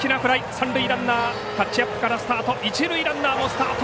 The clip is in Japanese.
三塁ランナーはタッチアップからスタート一塁ランナーもスタート。